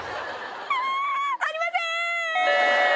ありません！